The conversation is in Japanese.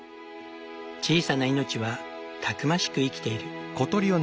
小さな命はたくましく生きている。